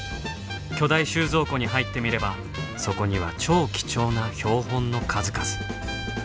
巨大収蔵庫に入ってみればそこには超貴重な標本の数々。